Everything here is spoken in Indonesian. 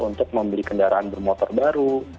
untuk membeli kendaraan bermotor baru